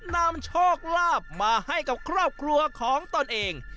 นำโชคลาภมาให้กับครอบครัวของตนเอง